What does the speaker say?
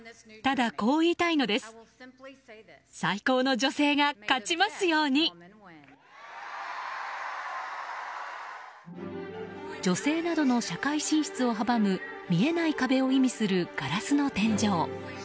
女性などの社会進出を阻む見えない壁を意味するガラスの天井。